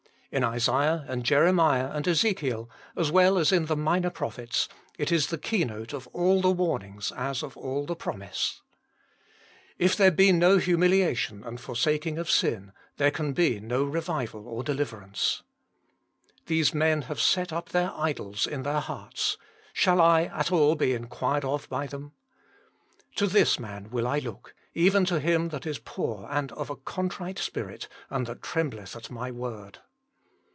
In Isaiah and Jeremiah and Ezekiel, as well as in the minor prophets, it is the keynote of all the warning as of all the promise. If there be no humiliation and forsaking of sin there can be no revival or deliverance :" These men have set up THE COMING REVIVAL 187 their idols in their hearts. Shall I at all be inquired of by them ?"" To this man will I look, even to him that is poor and of a contrite spirit, and that trembleth at My word."